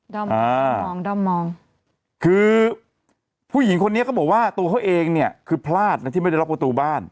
ด้อมมองด้อมมองคือผู้หญิงคนนี้เขาบอกว่าตัวเขาเองเนี่ยคือพลาดนะที่ไม่ได้ล็อกประตูบ้าน